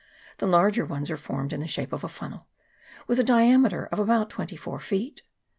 The larger ones are formed in the shape of a funnel, with a diameter of about twenty four r feet.